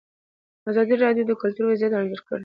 ازادي راډیو د کلتور وضعیت انځور کړی.